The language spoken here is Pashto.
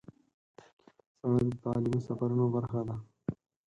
سړک د تعلیمي سفرونو برخه ده.